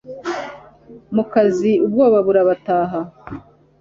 mukazi ubwoba burabataha